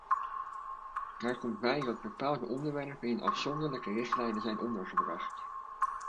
Daar komt bij dat bepaalde onderwerpen in afzonderlijke richtlijnen zijn ondergebracht.